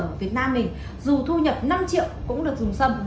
bất kỳ ai ở việt nam mình dù thu nhập năm triệu cũng được dùng sâm